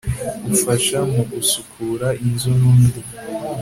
ufasha mu gusukura inzu n'undi